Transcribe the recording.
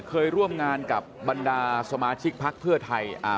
เคยร่วมงานกับบรรดาสมาชิกพักเพื่อไทยอ่า